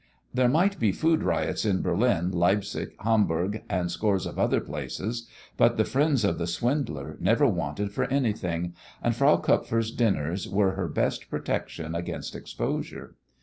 There might be food riots in Berlin, Leipzig, Hamburg and scores of other places, but the friends of the swindler never wanted for anything, and Frau Kupfer's dinners were her best protection against exposure.